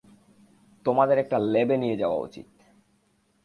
তোমাদের এটা ল্যাবে নিয়ে যাওয়া উচিত।